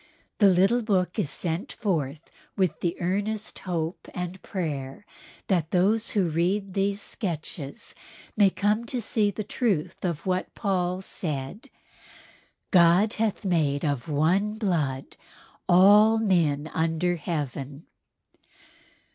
The little book is sent forth with the earnest hope and prayer that those who read these sketches may come to see the truth of what Paul said: "God hath made of ONE BLOOD all men under heaven."